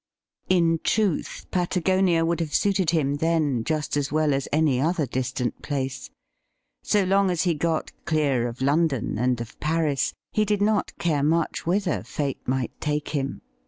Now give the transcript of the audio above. In truth, Patagonia would have suited him then just as well a s any other distant place. So long as he got clear of London and of Paris, he did not care much whither Fate might take him.